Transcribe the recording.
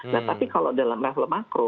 nah tapi kalau dalam level makro